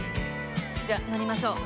じゃあ乗りましょう。